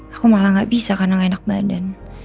aku malah gak bisa karena gak enak badan